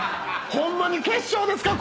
⁉ホンマに決勝ですか